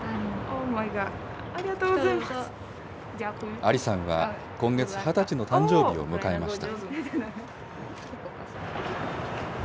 アリさんは今月２０歳の誕生日を迎えました。